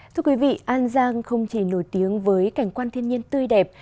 thưa quý vị an giang không chỉ nổi tiếng với cảnh quan thiên nhiên tươi đẹp